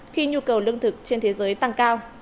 khi nhu cầu lương thực trên thế giới tăng cao